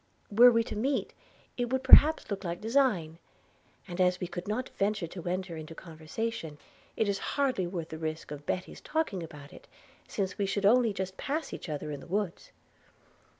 Were we to meet, it would perhaps look like design; and as we could not venture to enter into conversation, it is hardly worth the risk of Betty's talking about it, since we should only just pass each other in the woods.'